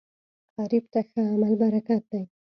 غریب ته ښه عمل برکت دی